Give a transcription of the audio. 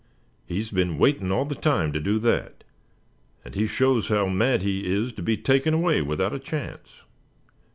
He's been waiting all the time to do that, and he shows how mad he is to be taken away without a chance.